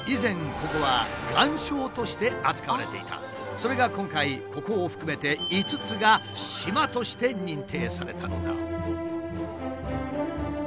それが今回ここを含めて５つが島として認定されたのだ。